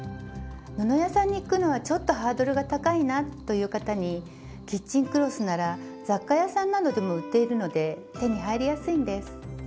布屋さんに行くのはちょっとハードルが高いなという方にキッチンクロスなら雑貨屋さんなどでも売っているので手に入りやすいんです。